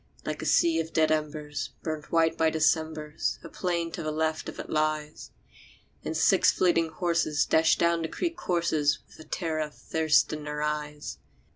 Like a sea of dead embers, burnt white by Decembers, A plain to the left of it lies; And six fleeting horses dash down the creek courses With the terror of thirst in their eyes.